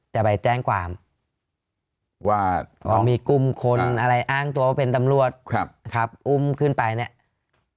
จะไปแจ้งความว่ามีกลุ่มคนอะไรอ้างตัวว่าเป็นตำรวจครับอุ้มขึ้นไปเนี่ย